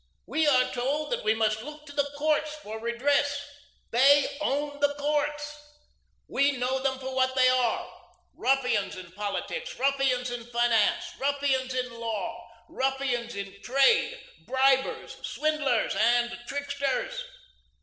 We are told that we must look to the courts for redress; they own the courts. We know them for what they are, ruffians in politics, ruffians in finance, ruffians in law, ruffians in trade, bribers, swindlers, and tricksters.